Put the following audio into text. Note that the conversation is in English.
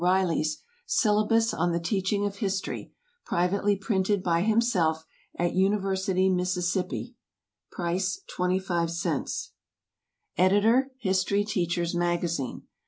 Riley's "Syllabus on the Teaching of History," privately printed by himself at University, Miss. (price 25c.). Editor HISTORY TEACHER'S MAGAZINE.